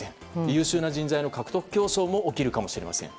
優秀な人材の獲得競争も起きるかもしれません。